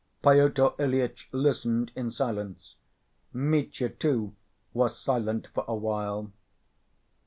Pyotr Ilyitch listened in silence. Mitya, too, was silent for a while.